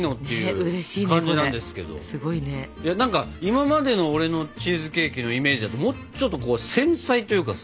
今までの俺のチーズケーキのイメージだともうちょっとこう繊細というかさ。